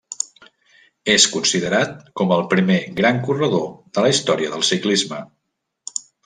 És considerat com el primer gran corredor de la història del ciclisme.